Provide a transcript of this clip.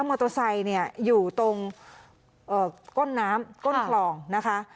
มอเตอร์ไซค์เนี่ยอยู่ตรงก้นน้ำก้นคลองนะคะ